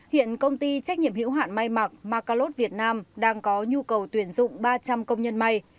hiện công ty trách nhiệm hữu hạn may mặc macalot việt nam đang có nhu cầu tuyển dụng ba trăm linh công nhân may